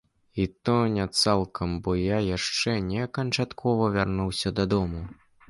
І то не цалкам, бо я яшчэ не канчаткова вярнуўся дадому.